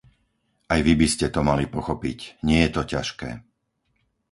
Aj vy by ste to mali pochopiť, nie je to ťažké!